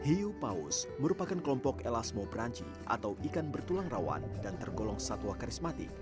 hiu paus merupakan kelompok elasmo branchi atau ikan bertulang rawan dan tergolong satwa karismatik